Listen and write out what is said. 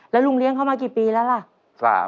แล้วลุงเลี้ยงเขามากี่ปีแล้วล่ะ